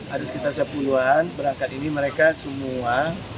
ada sekitar sepuluh an berangkat ini mereka semua